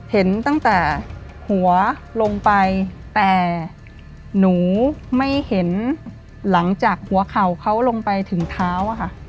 เห็นตั้งแต่หัวลงไปแต่หนูไม่เห็นหลังจากหัวเข่าเขาลงไปถึงเท้าอะค่ะ